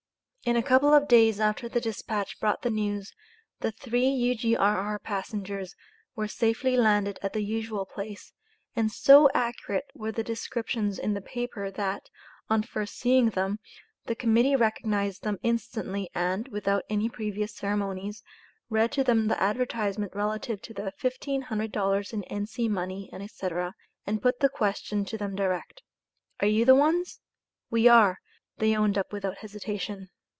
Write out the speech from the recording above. In a couple of days after the Dispatch brought the news, the three U.G.R.R. passengers were safely landed at the usual place, and so accurate were the descriptions in the paper, that, on first seeing them, the Committee recognized them instantly, and, without any previous ceremonies, read to them the advertisement relative to the "$1500 in N.C. money, &c.," and put the question to them direct: "Are you the ones?" "We are," they owned up without hesitation.